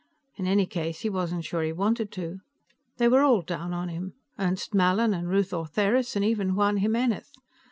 In any case, he wasn't sure he wanted to. They were all down on him. Ernst Mallin, and Ruth Ortheris, and even Juan Jimenez.